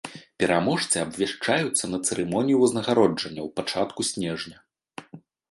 Пераможцы абвяшчаюцца на цырымоніі ўзнагароджання ў пачатку снежня.